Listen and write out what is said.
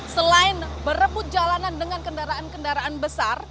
selain berebut jalanan dengan kendaraan kendaraan besar